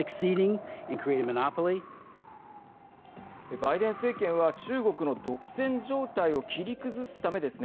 バイデン政権は中国の独占状態を切り崩すためですね